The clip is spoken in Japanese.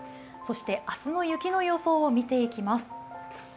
そして明日の雪の予想を見ていきます。